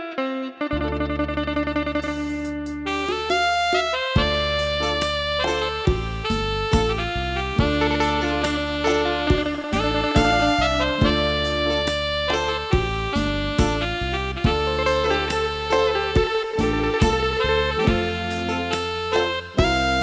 ครับ